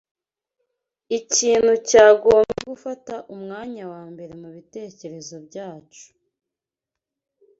ikintu cyagombye gufata umwanya wa mbere mu bitekerezo byacu